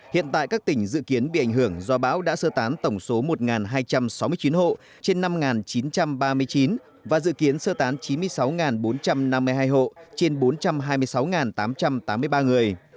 hiện tại các tỉnh dự kiến bị ảnh hưởng do bão đã sơ tán tổng số một hai trăm sáu mươi chín hộ trên năm chín trăm ba mươi chín và dự kiến sơ tán chín mươi sáu bốn trăm năm mươi hai hộ trên bốn trăm hai mươi sáu tám trăm tám mươi ba người